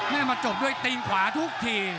แม่มันจบด้วยตีขวาทุกที